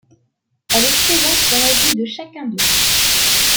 Elle est présente dans la vie de chacun d'eux.